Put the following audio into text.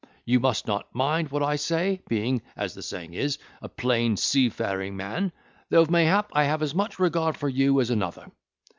you must not mind what I say, being (as the saying is) a plain seafaring man, though mayhap I have as much regard for you as another."